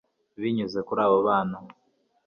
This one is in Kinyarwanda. binyuze kuri abo bana